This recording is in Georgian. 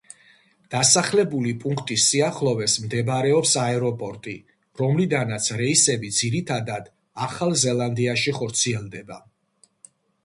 დასახლებული პუნქტის სიახლოვეს მდებარეობს აეროპორტი, რომლიდანაც რეისები ძირითადად ახალ ზელანდიაში ხორციელდება.